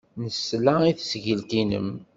Nesla i tesgilt-nnem.